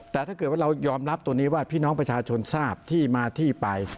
แต่ถ้าเกิดว่าเรายอมรับตัวนี้ว่าพี่น้องประชาชนทราบที่มาที่ไป